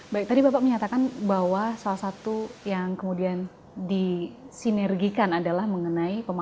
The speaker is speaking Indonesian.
baik tadi bapak menyatakan bahwa salah satu yang kemudian disinergikan adalah mengenai pemahaman